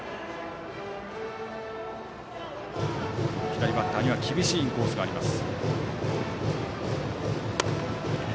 左バッターには厳しいインコースがあります。